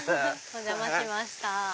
お邪魔しました。